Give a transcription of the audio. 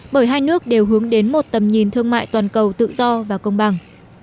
bởi hai nước đều hướng đến một tầm nhìn thương mại toàn cầu tự do và công bằng